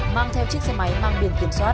mang theo chiếc xe máy mang biển kiểm soát